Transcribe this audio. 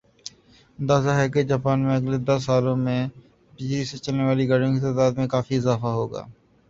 اندازہ ھے کہ جاپان میں اگلے دس سالوں میں بجلی سے چلنے والی گاڑیوں کی تعداد میں کافی اضافہ ہو گا